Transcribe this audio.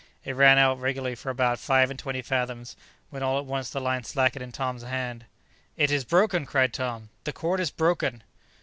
It ran out regularly for about five and twenty fathoms, when all at once the line slackened in Tom's hand. "It is broken!" cried Tom; "the cord is broken!"